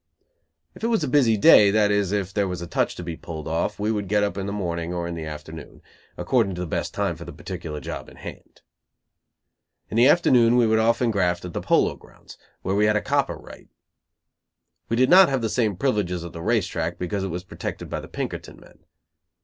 If it was a busy day, that is, if there was a touch to be pulled off, we would get up in the morning or the afternoon, according to the best time for the particular job in hand. In the afternoon we would often graft at the Polo grounds, where we had a copper "right." We did not have the same privileges at the race track, because it was protected by the Pinkerton men.